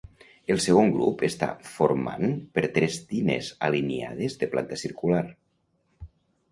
El segon grup està formant per tres tines, alineades, de planta circular.